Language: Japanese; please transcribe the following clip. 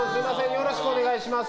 よろしくお願いします。